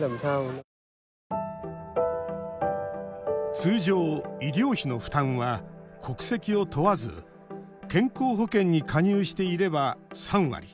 通常、医療費の負担は国籍を問わず健康保険に加入していれば３割。